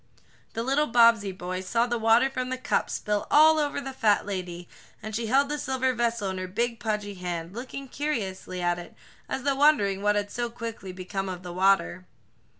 The little Bobbsey boy saw the water from the cup spill all over the fat lady, and she held the silver vessel in her big, pudgy hand, looking curiously at it, as though wondering what had so quickly become of the water.